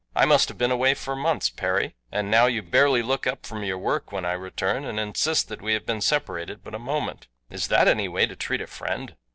I must have been away for months, Perry, and now you barely look up from your work when I return and insist that we have been separated but a moment. Is that any way to treat a friend?